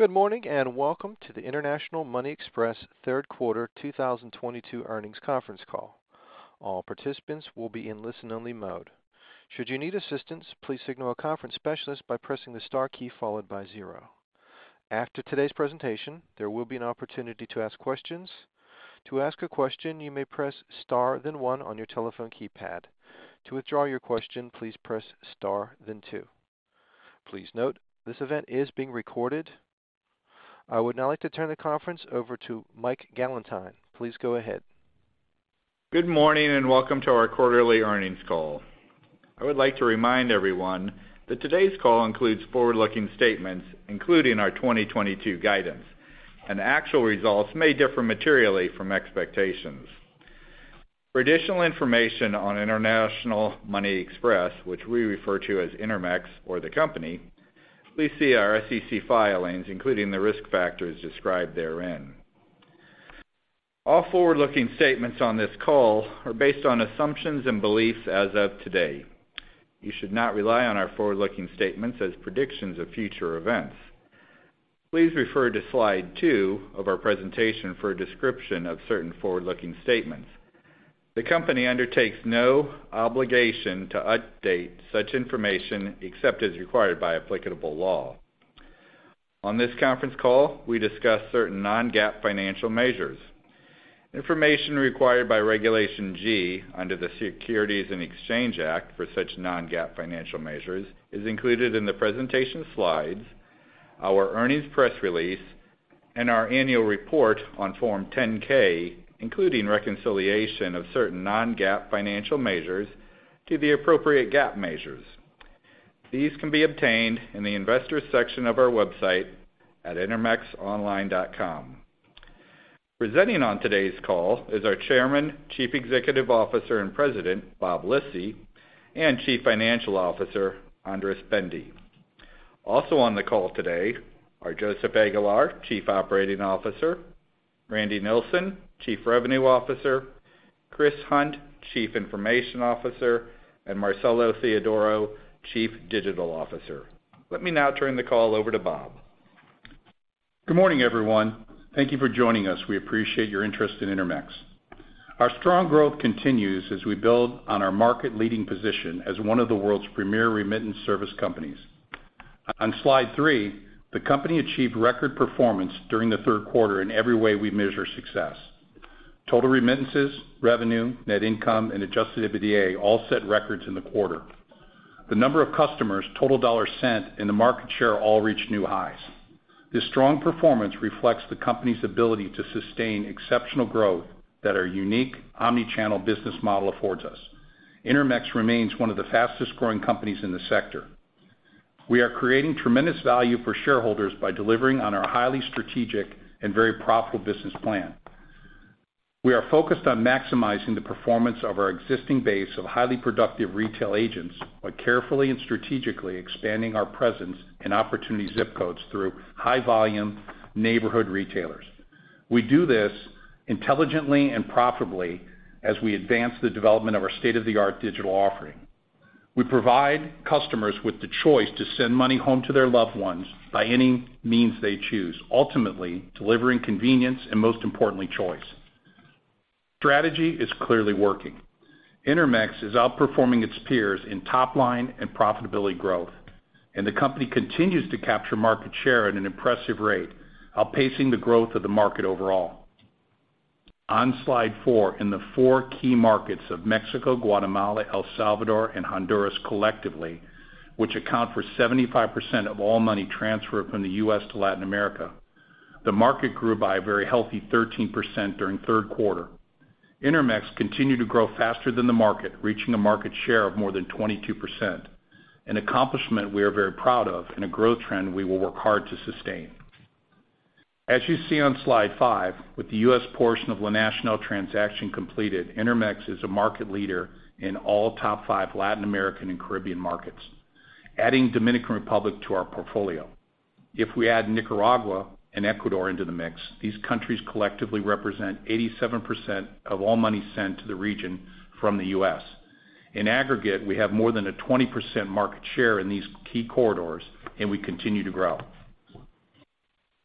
Good morning, and welcome to the International Money Express Third Quarter 2022 Earnings Conference Call. All participants will be in listen-only mode. Should you need assistance, please signal a conference specialist by pressing the star key followed by zero. After today's presentation, there will be an opportunity to ask questions. To ask a question, you may press star then one on your telephone keypad. To withdraw your question, please press star then two. Please note, this event is being recorded. I would now like to turn the conference over to Mike Gallentine. Please go ahead. Good morning, and welcome to our quarterly earnings call. I would like to remind everyone that today's call includes forward-looking statements, including our 2022 guidance, and actual results may differ materially from expectations. For additional information on International Money Express, which we refer to as Intermex or the company, please see our SEC filings, including the risk factors described therein. All forward-looking statements on this call are based on assumptions and beliefs as of today. You should not rely on our forward-looking statements as predictions of future events. Please refer to slide two of our presentation for a description of certain forward-looking statements. The company undertakes no obligation to update such information except as required by applicable law. On this conference call, we discuss certain non-GAAP financial measures. Information required by Regulation G under the Securities and Exchange Act for such non-GAAP financial measures is included in the presentation slides, our earnings press release, and our annual report on Form 10-K, including reconciliation of certain non-GAAP financial measures to the appropriate GAAP measures. These can be obtained in the investors section of our website at intermexonline.com. Presenting on today's call is our Chairman, Chief Executive Officer, and President, Bob Lisy, and Chief Financial Officer, Andras Bende. Also on the call today are Joseph Aguilar, Chief Operating Officer, Randy Nilsen, Chief Revenue Officer, Chris Hunt, Chief Information Officer, and Marcelo Theodoro, Chief Digital Officer. Let me now turn the call over to Bob. Good morning, everyone. Thank you for joining us. We appreciate your interest in Intermex. Our strong growth continues as we build on our market-leading position as one of the world's premier remittance service companies. On slide three, the company achieved record performance during the third quarter in every way we measure success. Total remittances, revenue, net income, and adjusted EBITDA all set records in the quarter. The number of customers, total dollars sent, and the market share all reached new highs. This strong performance reflects the company's ability to sustain exceptional growth that our unique omni-channel business model affords us. Intermex remains one of the fastest-growing companies in the sector. We are creating tremendous value for shareholders by delivering on our highly strategic and very profitable business plan. We are focused on maximizing the performance of our existing base of highly productive retail agents while carefully and strategically expanding our presence in opportunity ZIP codes through high-volume neighborhood retailers. We do this intelligently and profitably as we advance the development of our state-of-the-art digital offering. We provide customers with the choice to send money home to their loved ones by any means they choose, ultimately delivering convenience and most importantly, choice. Strategy is clearly working. Intermex is outperforming its peers in top-line and profitability growth, and the company continues to capture market share at an impressive rate, outpacing the growth of the market overall. On slide four, in the four key markets of Mexico, Guatemala, El Salvador, and Honduras collectively, which account for 75% of all money transferred from the U.S. to Latin America, the market grew by a very healthy 13% during third quarter. Intermex continued to grow faster than the market, reaching a market share of more than 22%, an accomplishment we are very proud of and a growth trend we will work hard to sustain. As you see on slide five, with the U.S. portion of the La Nacional transaction completed, Intermex is a market leader in all top five Latin American and Caribbean markets, adding Dominican Republic to our portfolio. If we add Nicaragua and Ecuador into the mix, these countries collectively represent 87% of all money sent to the region from the U.S. In aggregate, we have more than a 20% market share in these key corridors, and we continue to grow.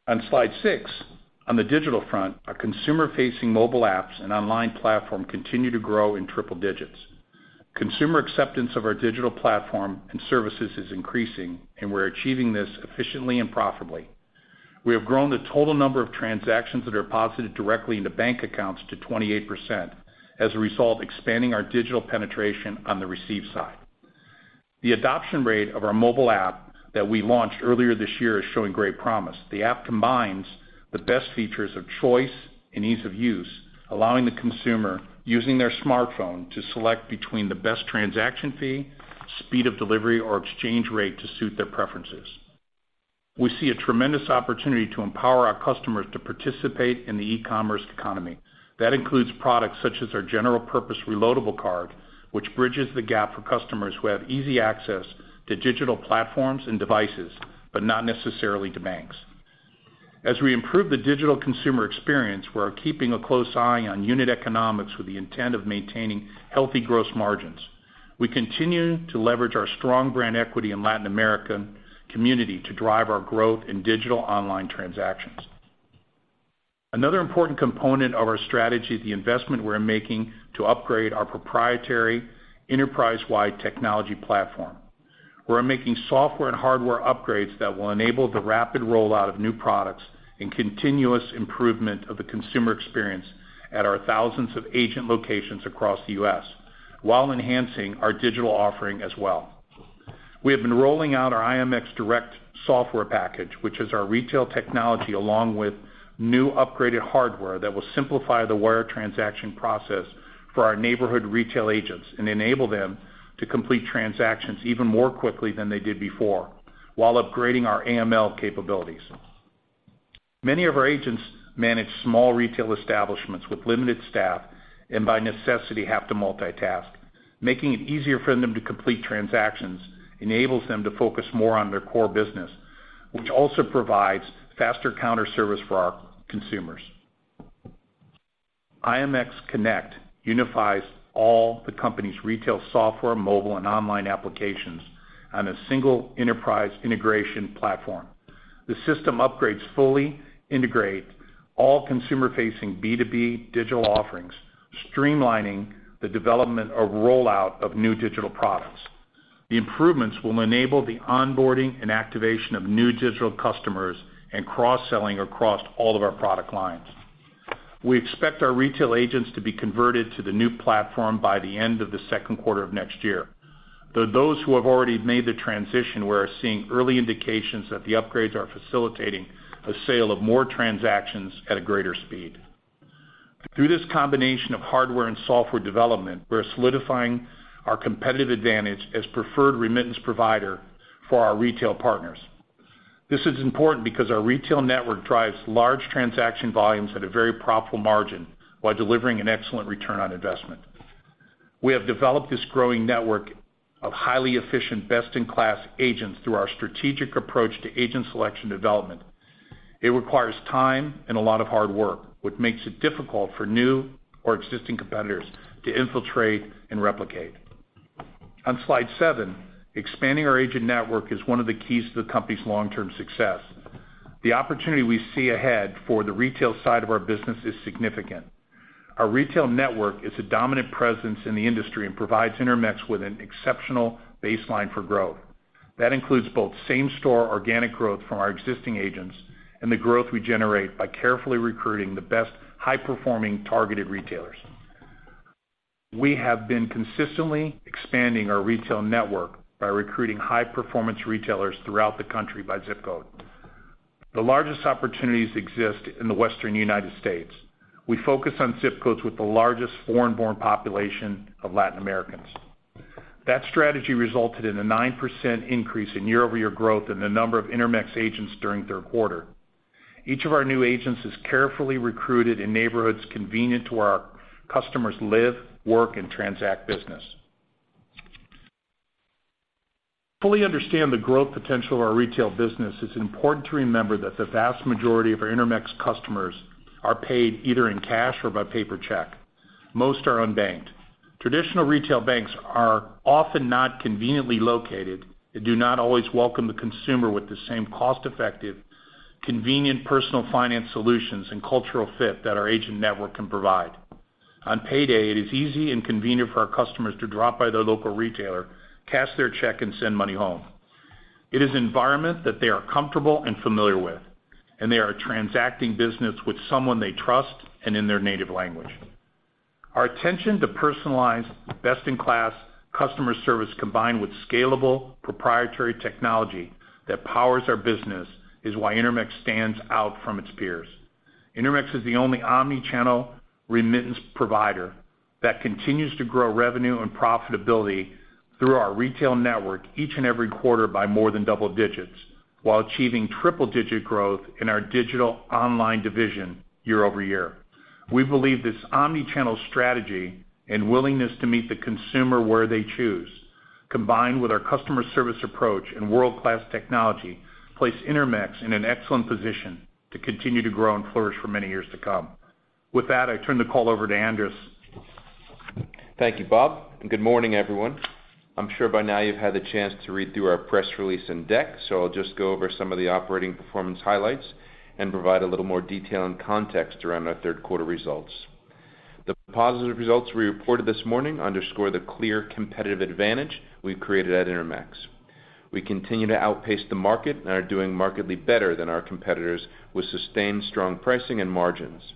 On slide six, on the digital front, our consumer-facing mobile apps and online platform continue to grow in triple digits. Consumer acceptance of our digital platform and services is increasing, and we're achieving this efficiently and profitably. We have grown the total number of transactions that are deposited directly into bank accounts to 28%, as a result expanding our digital penetration on the receive side. The adoption rate of our mobile app that we launched earlier this year is showing great promise. The app combines the best features of choice and ease of use, allowing the consumer using their smartphone to select between the best transaction fee, speed of delivery, or exchange rate to suit their preferences. We see a tremendous opportunity to empower our customers to participate in the e-commerce economy. That includes products such as our general purpose reloadable card, which bridges the gap for customers who have easy access to digital platforms and devices, but not necessarily to banks. As we improve the digital consumer experience, we are keeping a close eye on unit economics with the intent of maintaining healthy gross margins. We continue to leverage our strong brand equity in Latin American community to drive our growth in digital online transactions. Another important component of our strategy is the investment we're making to upgrade our proprietary enterprise-wide technology platform. We're making software and hardware upgrades that will enable the rapid rollout of new products and continuous improvement of the consumer experience at our thousands of agent locations across the U.S., while enhancing our digital offering as well. We have been rolling out our IMX Direct software package, which is our retail technology, along with new upgraded hardware that will simplify the wire transaction process for our neighborhood retail agents and enable them to complete transactions even more quickly than they did before while upgrading our AML capabilities. Many of our agents manage small retail establishments with limited staff and by necessity have to multitask. Making it easier for them to complete transactions enables them to focus more on their core business, which also provides faster counter service for our consumers. IMX Connect unifies all the company's retail software, mobile, and online applications on a single enterprise integration platform. The system upgrades fully integrate all consumer-facing B2B digital offerings, streamlining the development and rollout of new digital products. The improvements will enable the onboarding and activation of new digital customers and cross-selling across all of our product lines. We expect our retail agents to be converted to the new platform by the end of the second quarter of next year. For those who have already made the transition, we are seeing early indications that the upgrades are facilitating sales of more transactions at a greater speed. Through this combination of hardware and software development, we're solidifying our competitive advantage as preferred remittance provider for our retail partners. This is important because our retail network drives large transaction volumes at a very profitable margin while delivering an excellent return on investment. We have developed this growing network of highly efficient, best-in-class agents through our strategic approach to agent selection development. It requires time and a lot of hard work, which makes it difficult for new or existing competitors to infiltrate and replicate. On Slide seven, expanding our agent network is one of the keys to the company's long-term success. The opportunity we see ahead for the retail side of our business is significant. Our retail network is a dominant presence in the industry and provides Intermex with an exceptional baseline for growth. That includes both same-store organic growth from our existing agents and the growth we generate by carefully recruiting the best high-performing targeted retailers. We have been consistently expanding our retail network by recruiting high-performance retailers throughout the country by ZIP code. The largest opportunities exist in the Western United States. We focus on ZIP codes with the largest foreign-born population of Latin Americans. That strategy resulted in a 9% increase in year-over-year growth in the number of Intermex agents during third quarter. Each of our new agents is carefully recruited in neighborhoods convenient to where our customers live, work, and transact business. To fully understand the growth potential of our retail business, it's important to remember that the vast majority of our Intermex customers are paid either in cash or by paper check. Most are unbanked. Traditional retail banks are often not conveniently located and do not always welcome the consumer with the same cost-effective, convenient personal finance solutions and cultural fit that our agent network can provide. On payday, it is easy and convenient for our customers to drop by their local retailer, cash their check, and send money home. It is an environment that they are comfortable and familiar with, and they are transacting business with someone they trust and in their native language. Our attention to personalized, best-in-class customer service, combined with scalable proprietary technology that powers our business, is why Intermex stands out from its peers. Intermex is the only omni-channel remittance provider that continues to grow revenue and profitability through our retail network each and every quarter by more than double digits while achieving triple-digit growth in our digital online division year-over-year. We believe this omni-channel strategy and willingness to meet the consumer where they choose, combined with our customer service approach and world-class technology, place Intermex in an excellent position to continue to grow and flourish for many years to come. With that, I turn the call over to Andras. Thank you, Bob, and good morning, everyone. I'm sure by now you've had the chance to read through our press release and deck, so I'll just go over some of the operating performance highlights and provide a little more detail and context around our third quarter results. The positive results we reported this morning underscore the clear competitive advantage we've created at Intermex. We continue to outpace the market and are doing markedly better than our competitors with sustained strong pricing and margins.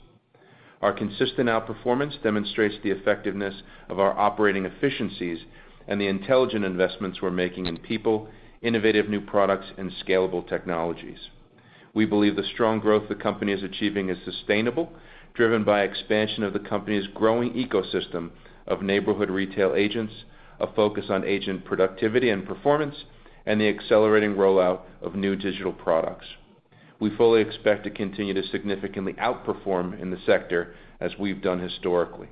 Our consistent outperformance demonstrates the effectiveness of our operating efficiencies and the intelligent investments we're making in people, innovative new products, and scalable technologies. We believe the strong growth the company is achieving is sustainable, driven by expansion of the company's growing ecosystem of neighborhood retail agents, a focus on agent productivity and performance, and the accelerating rollout of new digital products. We fully expect to continue to significantly outperform in the sector as we've done historically.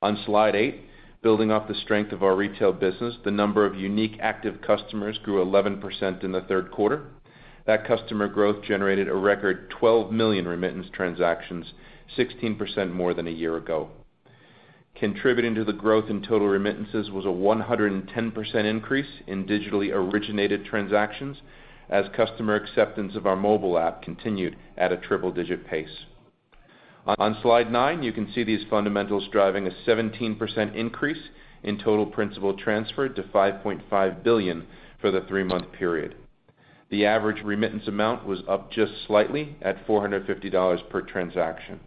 On Slide eight, building off the strength of our retail business, the number of unique active customers grew 11% in the third quarter. That customer growth generated a record 12 million remittance transactions, 16% more than a year ago. Contributing to the growth in total remittances was a 110% increase in digitally originated transactions as customer acceptance of our mobile app continued at a triple-digit pace. On Slide nine, you can see these fundamentals driving a 17% increase in total principal transferred to $5.5 billion for the three-month period. The average remittance amount was up just slightly at $450 per transaction.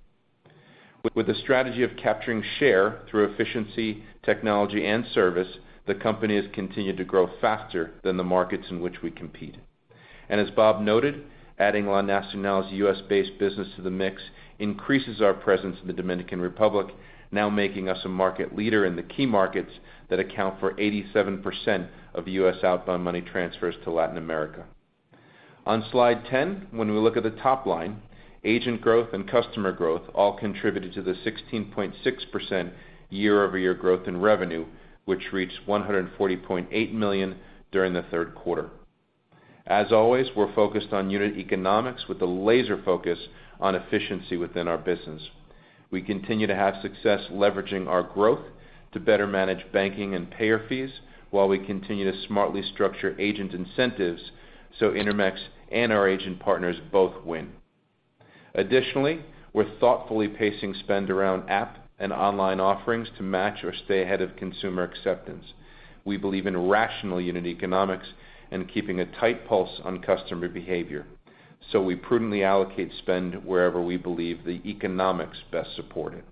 With a strategy of capturing share through efficiency, technology, and service, the company has continued to grow faster than the markets in which we compete. As Bob noted, adding La Nacional's U.S.-based business to the mix increases our presence in the Dominican Republic, now making us a market leader in the key markets that account for 87% of U.S. outbound money transfers to Latin America. On Slide 10, when we look at the top line, agent growth and customer growth all contributed to the 16.6% year-over-year growth in revenue, which reached $140.8 million during the third quarter. As always, we're focused on unit economics with a laser focus on efficiency within our business. We continue to have success leveraging our growth to better manage banking and payer fees while we continue to smartly structure agent incentives so Intermex and our agent partners both win. Additionally, we're thoughtfully pacing spend around app and online offerings to match or stay ahead of consumer acceptance. We believe in rational unit economics and keeping a tight pulse on customer behavior, so we prudently allocate spend wherever we believe the economics best support it.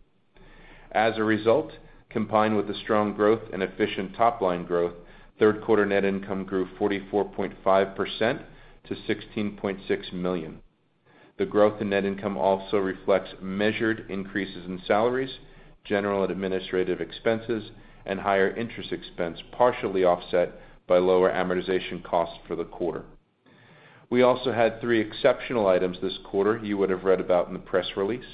As a result, combined with the strong growth and efficient top line growth, third quarter net income grew 44.5% to $16.6 million. The growth in net income also reflects measured increases in salaries, general and administrative expenses, and higher interest expense, partially offset by lower amortization costs for the quarter. We also had three exceptional items this quarter you would have read about in the press release.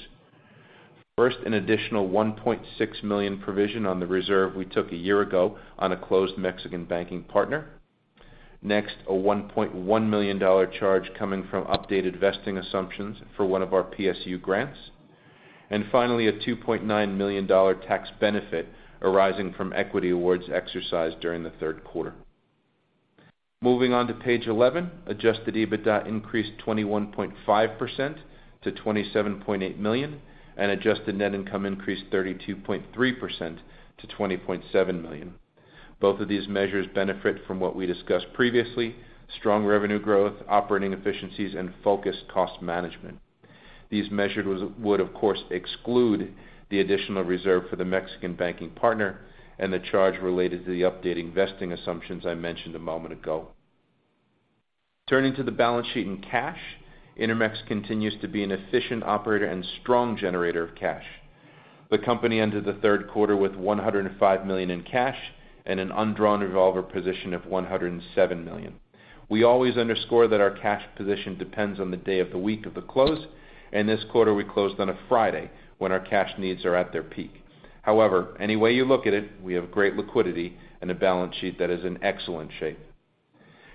First, an additional $1.6 million provision on the reserve we took a year ago on a closed Mexican banking partner. Next, a $1.1 million charge coming from updated vesting assumptions for one of our PSU grants. Finally, a $2.9 million tax benefit arising from equity awards exercised during the third quarter. Moving on to page 11, adjusted EBITDA increased 21.5% to $27.8 million, and adjusted net income increased 32.3% to $20.7 million. Both of these measures benefit from what we discussed previously, strong revenue growth, operating efficiencies, and focused cost management. These measures would, of course, exclude the additional reserve for the Mexican banking partner and the charge related to the updating vesting assumptions I mentioned a moment ago. Turning to the balance sheet in cash, Intermex continues to be an efficient operator and strong generator of cash. The company ended the third quarter with $105 million in cash and an undrawn revolver position of $107 million. We always underscore that our cash position depends on the day of the week of the close, and this quarter we closed on a Friday when our cash needs are at their peak. However, any way you look at it, we have great liquidity and a balance sheet that is in excellent shape.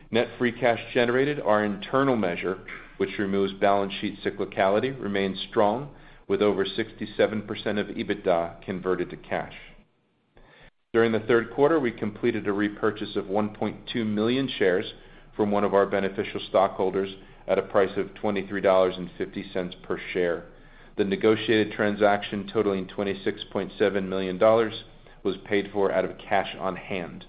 Net free cash generated, our internal measure, which removes balance sheet cyclicality, remains strong with over 67% of EBITDA converted to cash. During the third quarter, we completed a repurchase of 1.2 million shares from one of our beneficial stockholders at a price of $23.50 per share. The negotiated transaction totaling $26.7 million was paid for out of cash on hand.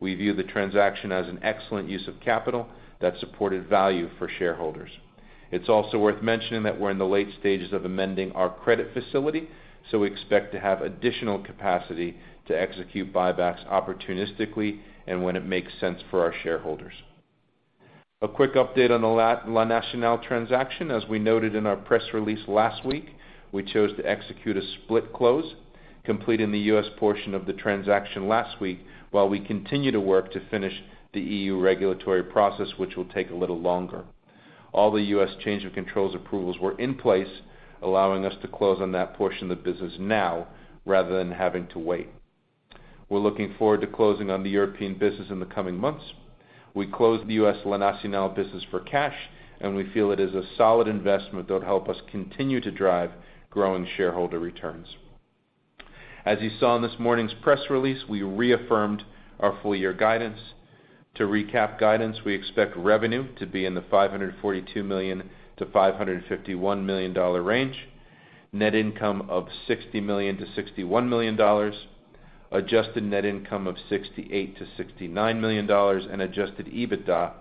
We view the transaction as an excellent use of capital that supported value for shareholders. It's also worth mentioning that we're in the late stages of amending our credit facility, so we expect to have additional capacity to execute buybacks opportunistically and when it makes sense for our shareholders. A quick update on the La Nacional transaction. As we noted in our press release last week, we chose to execute a split close, completing the U.S. portion of the transaction last week while we continue to work to finish the EU regulatory process, which will take a little longer. All the U.S. change of controls approvals were in place, allowing us to close on that portion of the business now rather than having to wait. We're looking forward to closing on the European business in the coming months. We closed the U.S. La Nacional business for cash, and we feel it is a solid investment that help us continue to drive growing shareholder returns. As you saw in this morning's press release, we reaffirmed our full year guidance. To recap guidance, we expect revenue to be in the $542 million-$551 million range, net income of $60 million-$61 million, adjusted net income of $68 million-$69 million, and adjusted EBITDA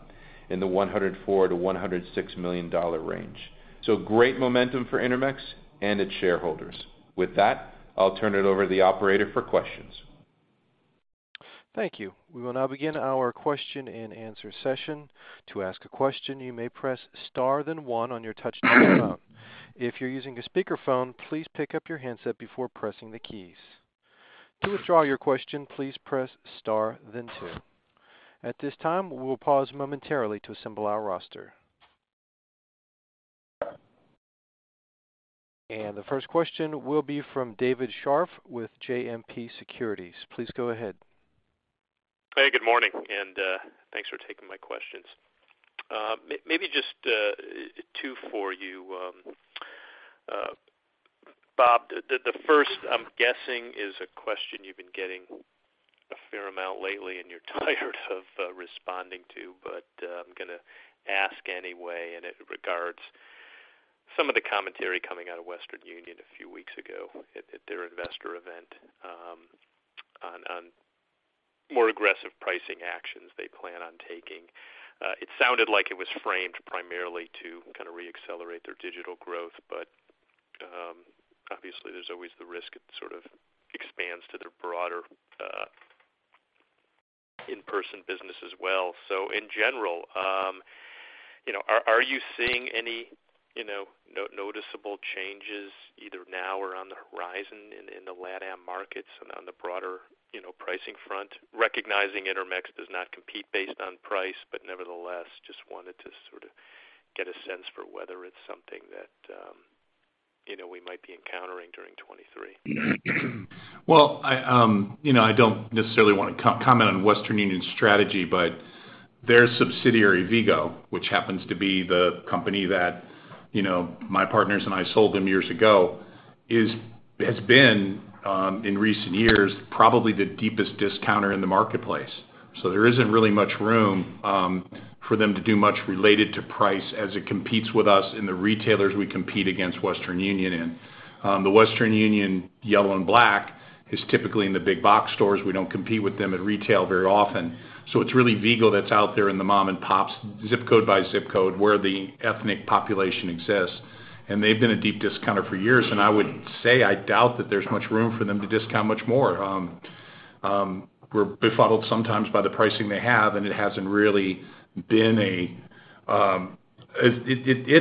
in the $104 million-$106 million range. Great momentum for Intermex and its shareholders. With that, I'll turn it over to the operator for questions. Thank you. We will now begin our question-and-answer session. To ask a question, you may press star then one on your touch-tone phone. If you're using a speakerphone, please pick up your handset before pressing the keys. To withdraw your question, please press star then two. At this time, we will pause momentarily to assemble our roster. The first question will be from David Scharf with JMP Securities. Please go ahead. Hey, good morning, and thanks for taking my questions. Maybe just two for you. Bob, the first I'm guessing is a question you've been getting a fair amount lately, and you're tired of responding to, but I'm gonna ask anyway, and it regards some of the commentary coming out of Western Union a few weeks ago at their investor event on more aggressive pricing actions they plan on taking. It sounded like it was framed primarily to kinda re-accelerate their digital growth, but obviously, there's always the risk it sort of expands to their broader in-person business as well. In general, are you seeing any noticeable changes either now or on the horizon in the LatAm markets and on the broader pricing front? Recognizing Intermex does not compete based on price, but nevertheless, just wanted to sort of get a sense for whether it's something that we might be encountering during 2023. Well, I don't necessarily want to comment on Western Union's strategy, but their subsidiary, Vigo, which happens to be the company that my partners and I sold them years ago, has been in recent years probably the deepest discounter in the marketplace. There isn't really much room for them to do much related to price as it competes with us and the retailers we compete against Western Union in. The Western Union yellow and black is typically in the big box stores. We don't compete with them at retail very often. It's really Vigo that's out there in the mom-and-pop, ZIP code by ZIP code, where the ethnic population exists. They've been a deep discounter for years, and I would say I doubt that there's much room for them to discount much more. We're befuddled sometimes by the pricing they have.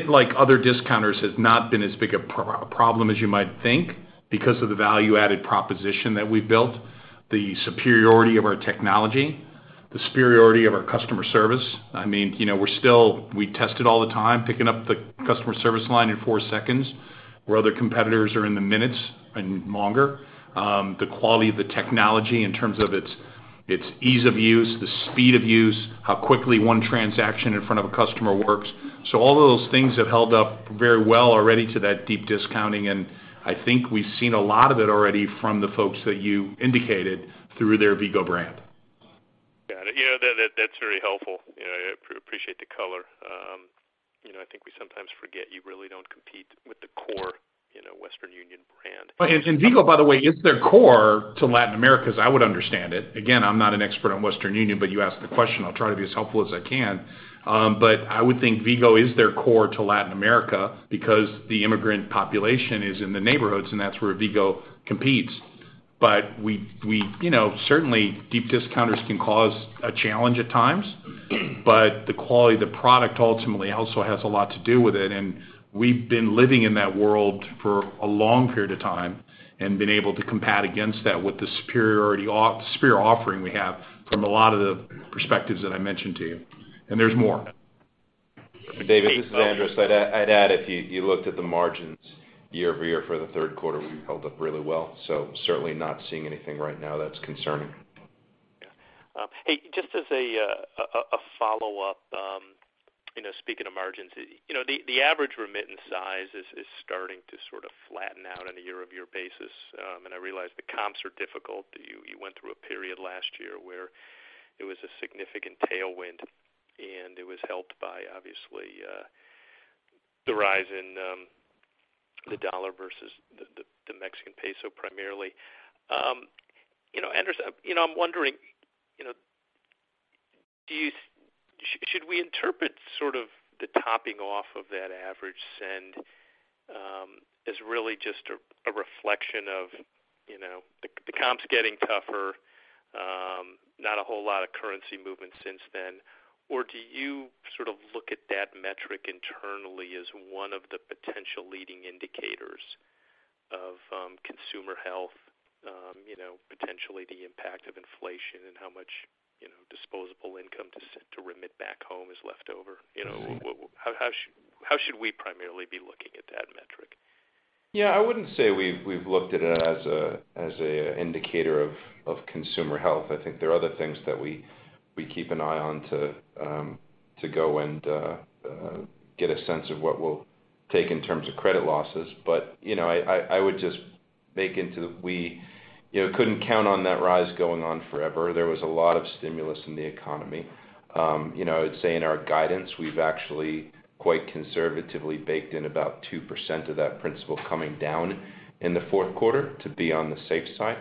Like other discounters, it has not been as big a problem as you might think because of the value-added proposition that we've built, the superiority of our technology, the superiority of our customer service. I mean we test it all the time, picking up the customer service line in four seconds, where other competitors are in the minutes and longer. The quality of the technology in terms of its ease of use, the speed of use, how quickly one transaction in front of a customer works. All of those things have held up very well already to that deep discounting, and I think we've seen a lot of it already from the folks that you indicated through their Vigo brand. Got it. Yeah, that's very helpful. I appreciate the color. I think we sometimes forget you really don't compete with the core Western Union brand. Vigo, by the way, is their core to Latin America, as I would understand it. Again, I'm not an expert on Western Union, but you asked the question. I'll try to be as helpful as I can. I would think Vigo is their core to Latin America because the immigrant population is in the neighborhoods, and that's where Vigo competes. We certainly deep discounters can cause a challenge at times, but the quality of the product ultimately also has a lot to do with it. We've been living in that world for a long period of time and been able to combat against that with the superior offering we have from a lot of the perspectives that I mentioned to you, and there's more. David, this is Andras. I'd add, if you looked at the margins year-over-year for the third quarter, we've held up really well, so certainly not seeing anything right now that's concerning. Yeah. Hey, just as a follow-up, speaking of margins, the average remittance size is starting to sort of flatten out on a year-over-year basis. I realize the comps are difficult. You went through a period last year where it was a significant tailwind, and it was helped by obviously, the rise in, the dollar versus the Mexican peso primarily. Andras I'm wondering, should we interpret sort of the topping off of that average send as really just a reflection of, the comps getting tougher, not a whole lot of currency movement since then, or do you sort of look at that metric internally as one of the potential leading indicators of consumer health potentially the impact of inflation and how much disposable income to remit back home is left over? How should we primarily be looking at that metric? Yeah, I wouldn't say we've looked at it as an indicator of consumer health. I think there are other things that we keep an eye on to get a sense of what we'll take in terms of credit losses. I would just bake into that we couldn't count on that rise going on forever. There was a lot of stimulus in the economy. I would say in our guidance, we've actually quite conservatively baked in about 2% of that principal coming down in the fourth quarter to be on the safe side.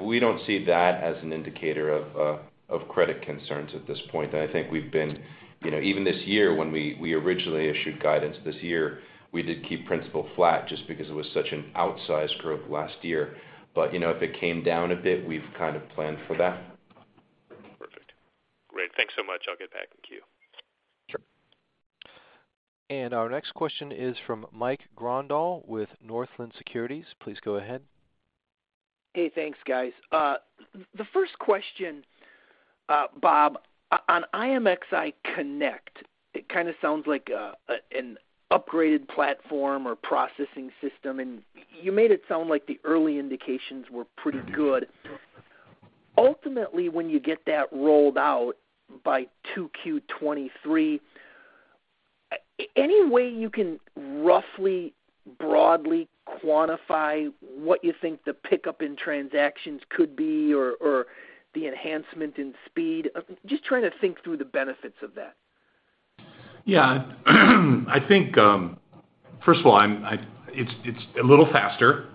We don't see that as an indicator of credit concerns at this point. I think we've been even this year when we originally issued guidance this year, we did keep principal flat just because it was such an outsized growth last year. if it came down a bit, we've kind of planned for that. Perfect. Great. Thanks so much. I'll get back in queue. Sure. Our next question is from Mike Grondahl with Northland Securities. Please go ahead. Hey, thanks, guys. The first question, Bob, on IMX Connect, it kind of sounds like an upgraded platform or processing system, and you made it sound like the early indications were pretty good. Ultimately, when you get that rolled out by 2Q 2023, any way you can roughly, broadly quantify what you think the pickup in transactions could be or the enhancement in speed? Just trying to think through the benefits of that. Yeah. I think first of all, it's a little faster.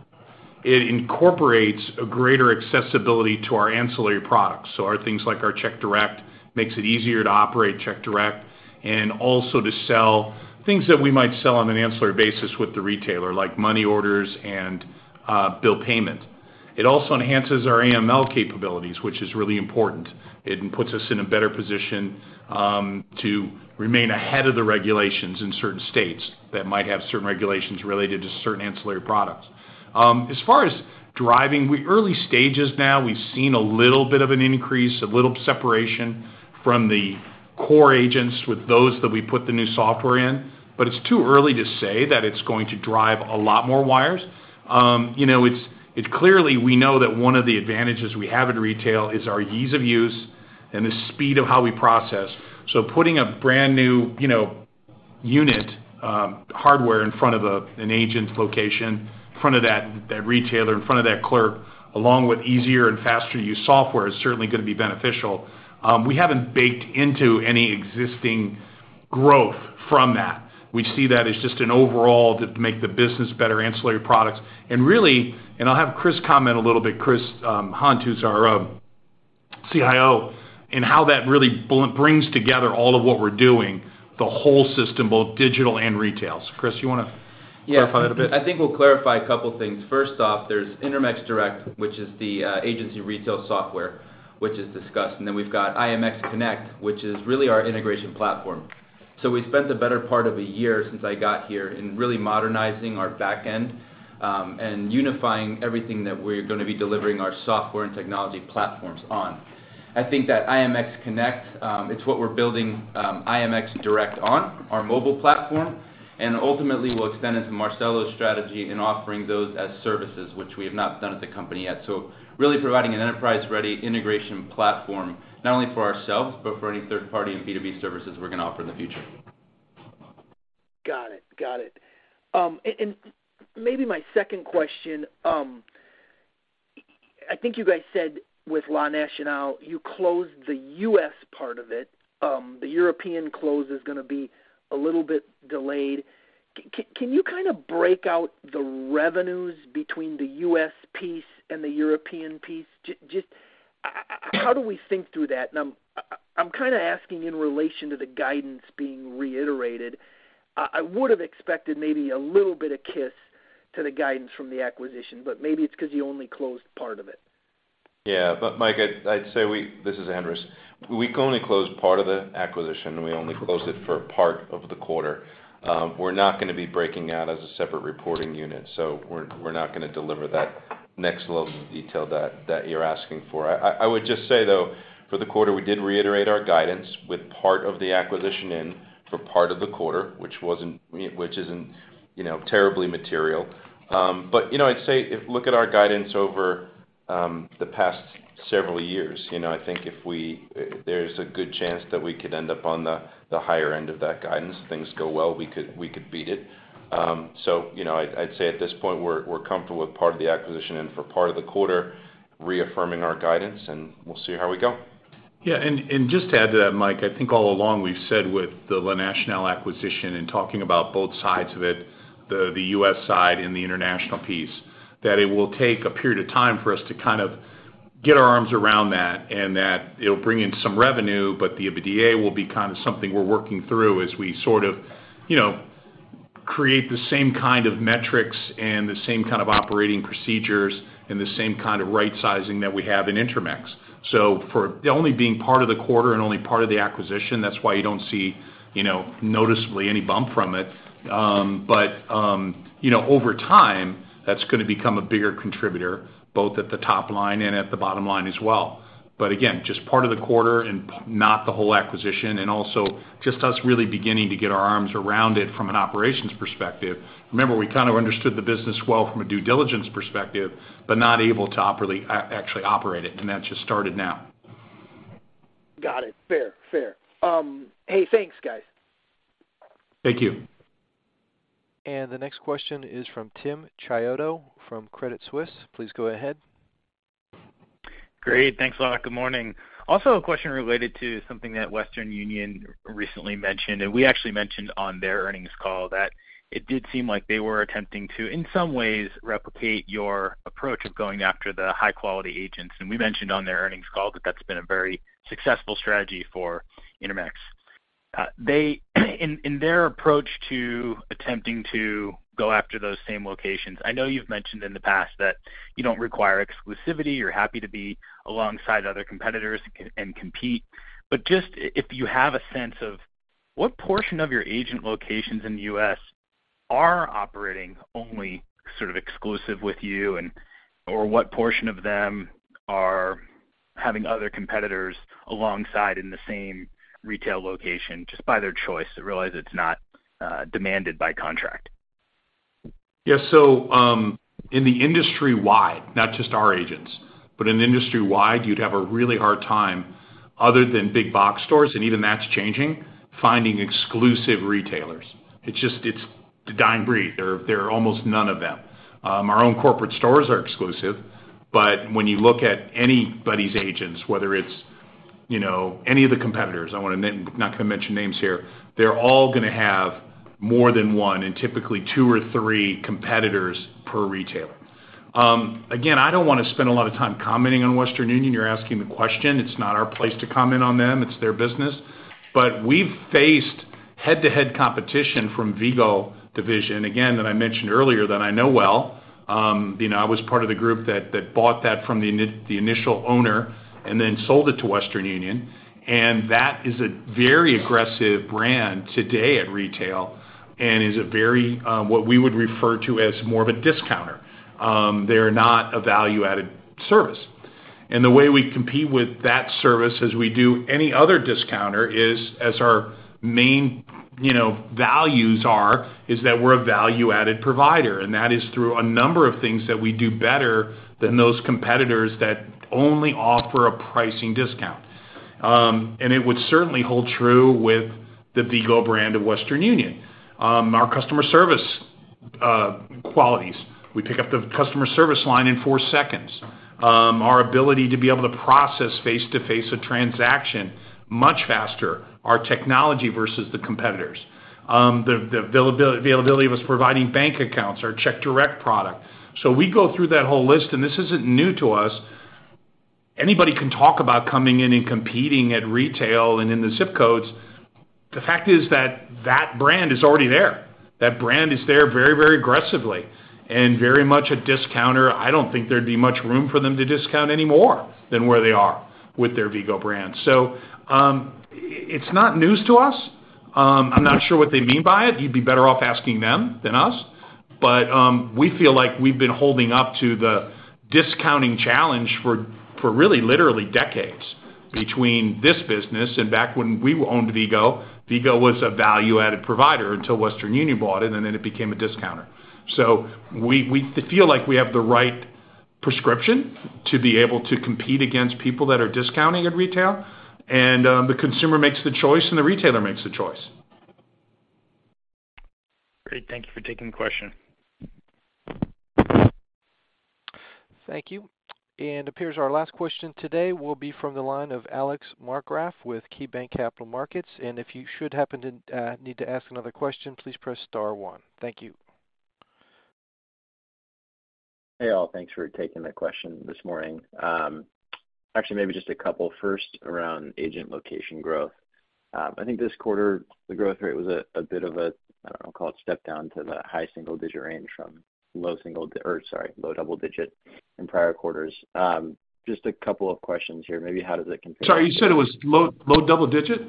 It incorporates a greater accessibility to our ancillary products. Our things like our Check Direct makes it easier to operate CheckDirect and also to sell things that we might sell on an ancillary basis with the retailer, like money orders and bill payment. It also enhances our AML capabilities, which is really important. It puts us in a better position to remain ahead of the regulations in certain states that might have certain regulations related to certain ancillary products. As far as driving, we're in early stages now. We've seen a little bit of an increase, a little separation from the core agents with those that we put the new software in, but it's too early to say that it's going to drive a lot more wires. It's clearly we know that one of the advantages we have at retail is our ease of use and the speed of how we process. Putting a brand new unit, hardware in front of an agent location, in front of that retailer, in front of that clerk, along with easier and faster use software is certainly gonna be beneficial. We haven't baked into any existing growth from that. We see that as just an overall to make the business better ancillary products. Really, and I'll have Chris comment a little bit, Chris Hunt, who's our CIO, in how that really brings together all of what we're doing, the whole system, both digital and retail. Chris, you wanna clarify that a bit? Yeah. I think we'll clarify a couple things. First off, there's Intermex Direct, which is the agency retail software, which is discussed. We've got IMX Connect, which is really our integration platform. We've spent the better part of a year since I got here in really modernizing our back-end and unifying everything that we're gonna be delivering our software and technology platforms on. I think that IMX Connect, it's what we're building IMX Direct on our mobile platform, and ultimately will extend into Marcelo's strategy in offering those as services which we have not done at the company yet. Really providing an enterprise-ready integration platform, not only for ourselves, but for any third party and B2B services we're gonna offer in the future. Got it. And maybe my second question, I think you guys said with La Nacional, you closed the U.S. part of it. The European close is gonna be a little bit delayed. Can you kinda break out the revenues between the U.S. piece and the European piece? Just how do we think through that? I'm kinda asking in relation to the guidance being reiterated. I would have expected maybe a little bit of hit to the guidance from the acquisition, but maybe it's 'cause you only closed part of it. Yeah. Mike, I'd say this is Andras. We only closed part of the acquisition, and we only closed it for part of the quarter. We're not gonna be breaking out as a separate reporting unit, so we're not gonna deliver that next level of detail that you're asking for. I would just say, though, for the quarter, we did reiterate our guidance with part of the acquisition in for part of the quarter, which isn't terribly material. I'd say look at our guidance over the past several years I think there's a good chance that we could end up on the higher end of that guidance. Things go well, we could beat it. I'd say at this point, we're comfortable with part of the acquisition and for part of the quarter reaffirming our guidance, and we'll see how we go. Yeah. Just to add to that, Mike, I think all along we've said with the La Nacional acquisition and talking about both sides of it, the U.S. side and the international piece, that it will take a period of time for us to kind of get our arms around that and that'll bring in some revenue, but the EBITDA will be kind of something we're working through as we sort of create the same kind of metrics and the same kind of operating procedures and the same kind of right sizing that we have in Intermex. For only being part of the quarter and only part of the acquisition, that's why you don't see noticeably any bump from it. Over time, that's gonna become a bigger contributor, both at the top line and at the bottom line as well. Again, just part of the quarter and not the whole acquisition, and also just us really beginning to get our arms around it from an operations perspective. Remember, we kind of understood the business well from a due diligence perspective, but not able to actually operate it, and that's just started now. Got it. Fair. Hey, thanks, guys. Thank you. The next question is from Timothy Chiodo from Credit Suisse. Please go ahead. Great. Thanks a lot. Good morning. Also a question related to something that Western Union recently mentioned, and we actually mentioned on their earnings call that it did seem like they were attempting to, in some ways, replicate your approach of going after the high-quality agents. We mentioned on their earnings call that that's been a very successful strategy for Intermex. In their approach to attempting to go after those same locations, I know you've mentioned in the past that you don't require exclusivity. You're happy to be alongside other competitors and compete. But just if you have a sense of what portion of your agent locations in the U.S. Are operating only sort of exclusive with you and or what portion of them are having other competitors alongside in the same retail location just by their choice? I realize it's not demanded by contract. Yes. In the industry-wide, not just our agents, but in industry-wide, you'd have a really hard time other than big box stores, and even that's changing, finding exclusive retailers. It's just, it's a dying breed. There are almost none of them. Our own corporate stores are exclusive, but when you look at anybody's agents, whether it's any of the competitors, I wanna not gonna mention names here, they're all gonna have more than one and typically two or three competitors per retailer. Again, I don't wanna spend a lot of time commenting on Western Union. You're asking the question. It's not our place to comment on them. It's their business. We've faced head-to-head competition from Vigo division, again, that I mentioned earlier, that I know well. I was part of the group that bought that from the initial owner and then sold it to Western Union. That is a very aggressive brand today at retail and is a very what we would refer to as more of a discounter. They're not a value-added service. The way we compete with that service as we do any other discounter is as our mainvalues are, is that we're a value-added provider, and that is through a number of things that we do better than those competitors that only offer a pricing discount. It would certainly hold true with the Vigo brand of Western Union. Our customer service qualities. We pick up the customer service line in four seconds. Our ability to be able to process face-to-face a transaction much faster, our technology versus the competitors, the availability of us providing bank accounts, our Check Direct product. We go through that whole list, and this isn't new to us. Anybody can talk about coming in and competing at retail and in the ZIP Codes. The fact is that that brand is already there. That brand is there very, very aggressively and very much a discounter. I don't think there'd be much room for them to discount any more than where they are with their Vigo brand. It's not news to us. I'm not sure what they mean by it. You'd be better off asking them than us. We feel like we've been holding up to the discounting challenge for really literally decades between this business and back when we owned Vigo. Vigo was a value-added provider until Western Union bought it, and then it became a discounter. We feel like we have the right prescription to be able to compete against people that are discounting at retail, and the consumer makes the choice, and the retailer makes the choice. Great. Thank you for taking the question. Thank you. Appears our last question today will be from the line of Alex Markgraff with KeyBanc Capital Markets. If you should happen to need to ask another question, please press star one. Thank you. Hey, all. Thanks for taking the question this morning. Actually, maybe just a couple first around agent location growth. I think this quarter the growth rate was a bit of a, I don't know, call it step down to the high single-digit range from low double-digit in prior quarters. Just a couple of questions here. Maybe how does it compare- Sorry. You said it was low double digit?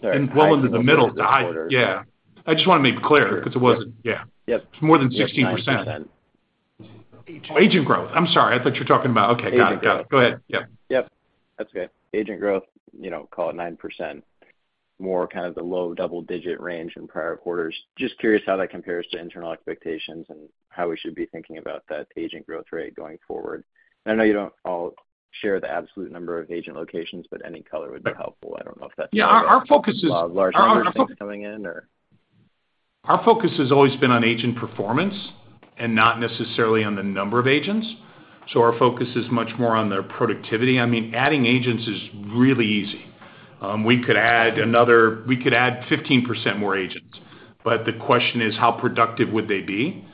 Sorry Well into the middle. Yeah. I just wanna make clear 'cause it wasn't. Sure. Yeah. Yep. It's more than 16%. 9%. Agent growth. I'm sorry. Okay. Got it. Agent growth. Go ahead. Yep. Yep. That's okay. Agent growth, you know, call it 9%, more kind of the low double-digit range in prior quarters. Just curious how that compares to internal expectations and how we should be thinking about that agent growth rate going forward. I know you don't all share the absolute number of agent locations, but any color would be helpful. I don't know if that's. Yeah. Our focus is. Large numbers coming in, or? Our focus has always been on agent performance and not necessarily on the number of agents. Our focus is much more on their productivity. I mean, adding agents is really easy. We could add 15% more agents, but the question is, how productive would they be?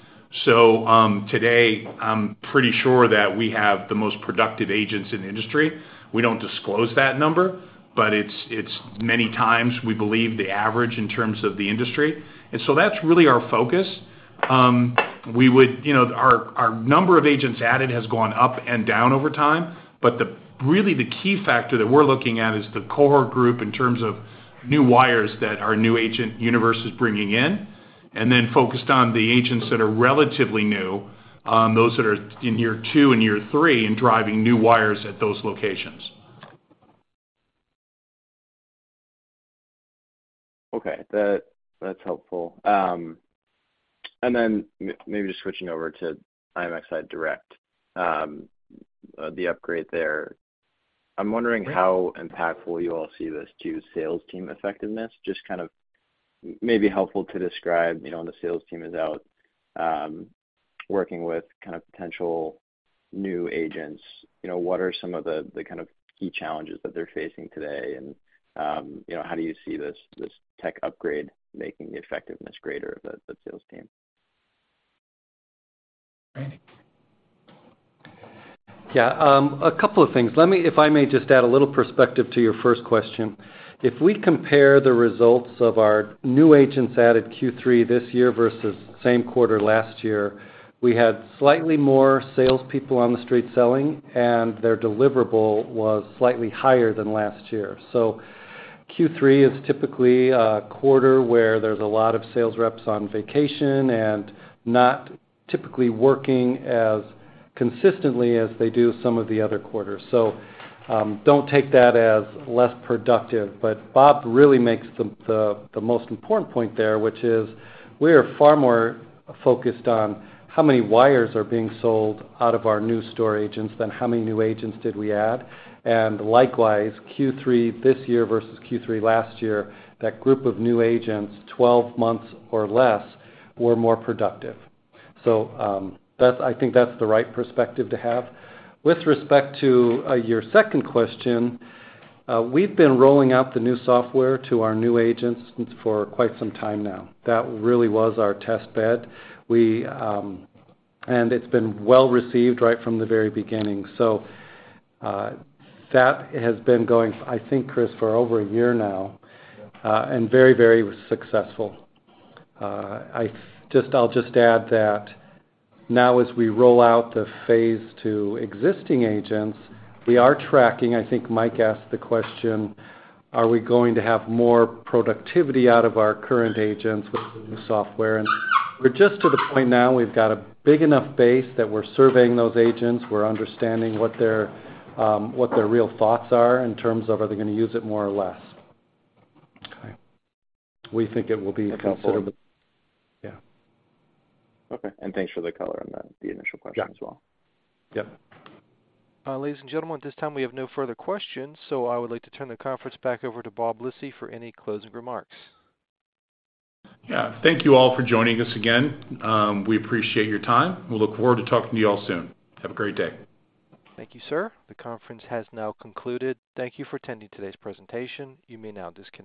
Today, I'm pretty sure that we have the most productive agents in the industry. We don't disclose that number, but it's many times we believe the average in terms of the industry. That's really our focus. Our number of agents added has gone up and down over time, but really the key factor that we're looking at is the cohort group in terms of new wires that our new agent universe is bringing in, and then focused on the agents that are relatively new, those that are in year two and year three, and driving new wires at those locations. Okay. That's helpful. Maybe just switching over to IMX Direct, the upgrade there. I'm wondering how impactful you all see this to sales team effectiveness. Just kind of maybe helpful to describe when the sales team is out, working with kind of potential new agents what are some of the kind of key challenges that they're facing today? How do you see this tech upgrade making the effectiveness greater of the sales team? Yeah, a couple of things. If I may just add a little perspective to your first question. If we compare the results of our new agents added Q3 this year versus same quarter last year, we had slightly more salespeople on the street selling, and their deliverable was slightly higher than last year. Q3 is typically a quarter where there's a lot of sales reps on vacation and not typically working as consistently as they do some of the other quarters. Don't take that as less productive. Bob really makes the most important point there, which is we are far more focused on how many wires are being sold out of our new store agents than how many new agents did we add. Likewise, Q3 this year versus Q3 last year, that group of new agents, 12 months or less, were more productive. I think that's the right perspective to have. With respect to your second question, we've been rolling out the new software to our new agents for quite some time now. That really was our test bed. It's been well-received right from the very beginning. That has been going, I think, Chris, for over a year now, and very, very successful. I'll just add that now as we roll out the phase two existing agents, we are tracking. I think Mike asked the question, are we going to have more productivity out of our current agents with the new software? We're just to the point now, we've got a big enough base that we're surveying those agents. We're understanding what their real thoughts are in terms of are they gonna use it more or less. Okay. We think it will be considerably. Yeah. Okay. Thanks for the color on that, the initial question as well. Yeah. Yep. Ladies and gentlemen, at this time, we have no further questions, so I would like to turn the conference back over to Bob Lisy for any closing remarks. Yeah. Thank you all for joining us again. We appreciate your time. We look forward to talking to you all soon. Have a great day. Thank you, sir. The conference has now concluded. Thank you for attending today's presentation. You may now disconnect.